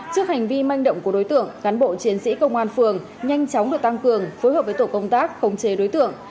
trước hành vi manh động của đối tượng cán bộ chiến sĩ công an phường nhanh chóng được tăng cường phối hợp với tổ công tác khống chế đối tượng